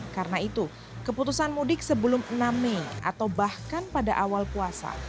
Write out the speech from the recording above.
karena itu keputusan mudik sebelum enam mei atau bahkan pada awal puasa